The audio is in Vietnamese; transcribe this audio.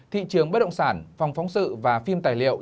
thị trường bất động sản phòng phóng sự và phim tài liệu